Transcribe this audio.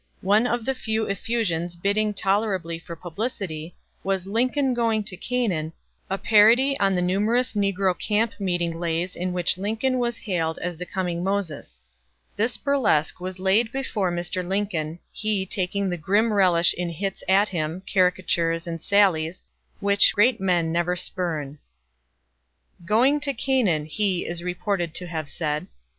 One of the few effusions bidding tolerably for publicity was "Lincoln Going to Canaan," a parody on the numerous negro camp meeting lays in which Lincoln was hailed as the coming Moses. This burlesque was laid before Mr. Lincoln, he taking the grim relish in hits at him, caricatures and sallies, which great men never spurn. "Going to Canaan," he (is reported to have) said.